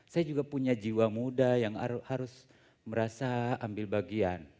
saya juga punya jiwa muda yang harus merasa ambil bagian